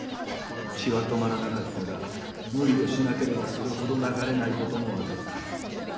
血は止まらなかったが無理をしなければそれほど流れないことも分かった。